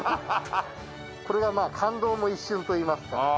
これがまあ感動の一瞬といいますか。